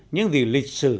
những gì lịch sử